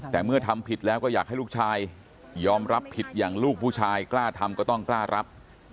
แต่เมื่อทำผิดแล้วก็อยากให้ลูกชายยอมรับผิดอย่างลูกผู้ชายกล้าทำก็ต้องกล้ารับ